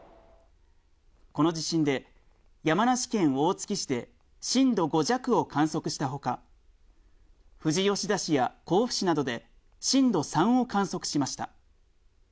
この地震で山梨県大月市で震度５弱を観測したほか、富士吉田市や甲府市などで震度３を観測しました。